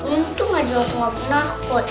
untung aja aku gak pernah takut